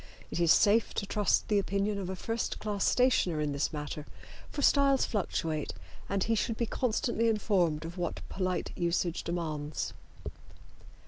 It is safe to trust the opinion of a first class stationer in this matter, for styles fluctuate, and he should be constantly informed of what polite usage demands.